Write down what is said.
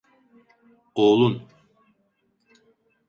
Oğlun.